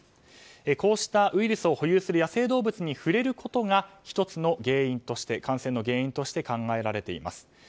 こうしたウイルスを保有する野生動物に触れることが１つの感染の原因として考えられています。